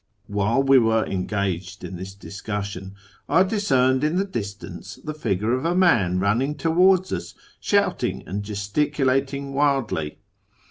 While we were engaged in this discussion, I discerned in the distance the figure of a man running towards us, shouting and gesticulating wildly.